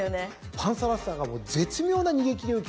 パンサラッサが絶妙な逃げ切りを決めましたよね。